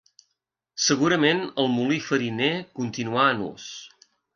Segurament el molí fariner continuà en ús.